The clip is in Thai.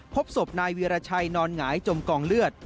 พบศพนายวีรชัยนอนหงายจมกองเลือด